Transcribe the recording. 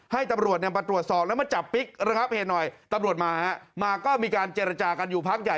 ให้ตำรวจเนี่ยมาตรวจสอบแล้วมาจับปิ๊กระงับเหตุหน่อยตำรวจมาฮะมาก็มีการเจรจากันอยู่พักใหญ่